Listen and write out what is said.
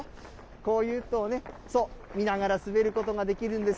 こういうのを見ながら滑ることができるんです。